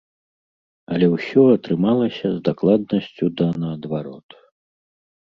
Але ўсё атрымалася з дакладнасцю да наадварот.